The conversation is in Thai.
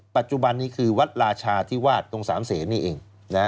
ปัจจุบันนี้คือวัดราชาธิวาสตรง๓เสนนี่เอง